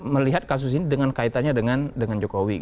melihat kasus ini dengan kaitannya dengan jokowi